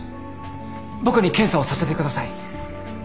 僕に検査をさせてください。